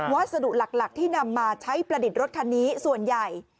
วัสดุหลักที่นำมาใช้ประดิษฐ์รถคันนี้ส่วนใหญ่